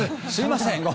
すいません。